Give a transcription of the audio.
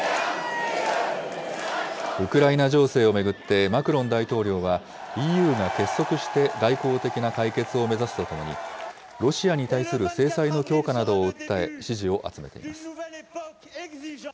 ウクライナ情勢を巡ってマクロン大統領はＥＵが結束して外交的な解決を目指すとともに、ロシアに対する制裁の強化などを訴え、支持を集めています。